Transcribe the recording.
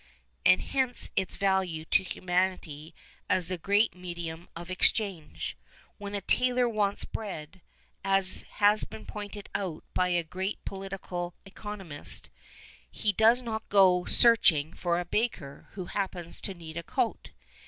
And hence its value to humanity as the great medium of exchange. When a tailor wants bread, as has been pointed out by a great political economist, he does not go searching for a baker who happens to need a coat.